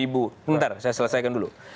bentar saya selesaikan dulu